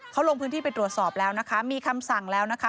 เขารงพื้นที่ไปตรวจสอบแล้วนะคะ